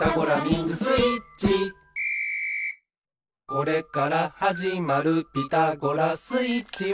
「これからはじまる『ピタゴラスイッチ』は」